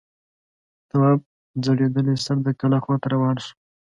تواب ځړېدلی سر د کلا خواته روان شو.